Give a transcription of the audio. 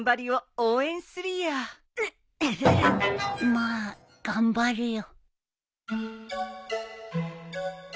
まあ頑張るよ。